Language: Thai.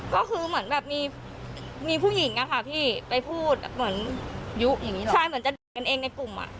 ก็คือเหมือนแบบมีผู้หญิงนะค่ะพี่